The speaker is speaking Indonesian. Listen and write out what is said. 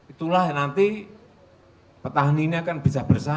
itulah nanti petani ini akan bisa bersaing